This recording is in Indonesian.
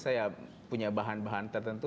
saya punya bahan bahan tertentu